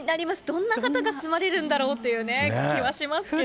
どんな方が住まれるんだろうというね、気はしますけれども。